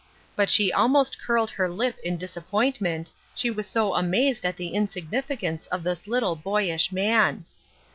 But she almost curled her lip in disappointment, she was so amazed at the insig nificance of this little, boyish man